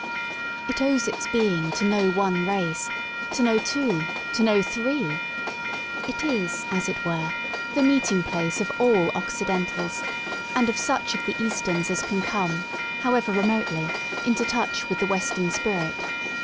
It owes its being to no one race, to no two, to no three. It is, as it were, the meeting place of all Occidentals and of such of the Easterns as can comCj however remotely, into touch with the Western spirit.